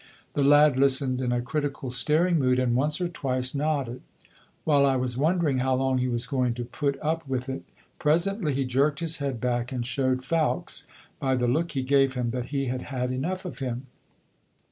The lad listened in a critical, staring mood, and once or twice nodded. While I was wondering how long he was going to put up with it, presently he jerked his head back and showed Fowkes, by the look he gave him, that he had had enough of him.